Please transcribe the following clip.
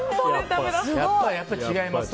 やっぱり違いますよ